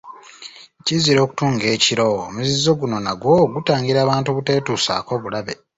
Kizira okutunga ekiro, Omuzizo guno nagwo gutangira bantu buteetuusaako bulabe.